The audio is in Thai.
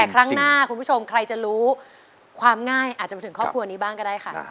ครั้งหน้าคุณผู้ชมใครจะรู้ความง่ายอาจจะมาถึงครอบครัวนี้บ้างก็ได้ค่ะ